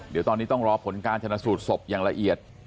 เดี๋ยวตอนนี้ต้องรอผลการชนะสูตรศพอย่างละเอียด